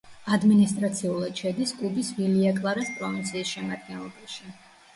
ადმინისტრაციულად შედის კუბის ვილია-კლარას პროვინციის შემადგენლობაში.